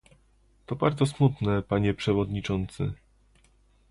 To bardzo smutne, panie przewodniczący